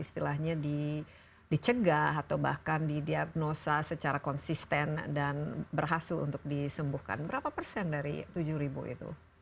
istilahnya dicegah atau bahkan didiagnosa secara konsisten dan berhasil untuk disembuhkan berapa persen dari tujuh ribu itu